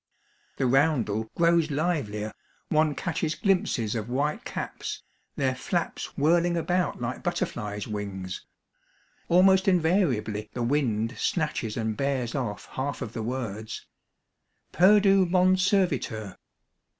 The roundel grows livelier, one catches glimpses of white caps, their flaps whirling about Hke butter A Sea side Harvest, 289 flies' wings. Almost invariably the wind snatches and bears off half of the words, —"... perdu mon serviteur